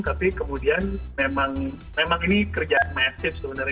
tapi kemudian memang ini kerjaan messive sebenarnya